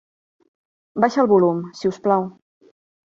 Baixa el volum, si us plau.